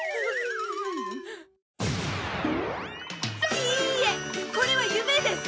いーえこれは夢です！